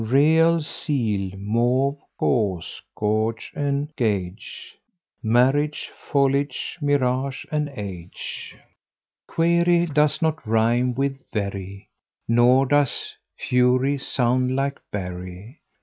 Real, zeal; mauve, gauze and gauge; Marriage, foliage, mirage, age. Query does not rime with very, Nor does fury sound like bury.